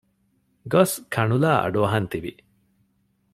ގޮސް ކަނުލާ އަޑުއަހަން ތިވި